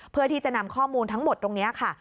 เพื่อที่จะนำข้อมูลทั้งหมดตรงนี้ค่ะ